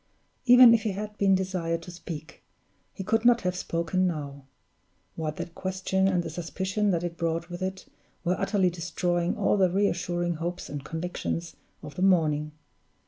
Even if he had been desired to speak, he could not have spoken now, while that question and the suspicion that it brought with it were utterly destroying all the re assuring hopes and convictions of the morning.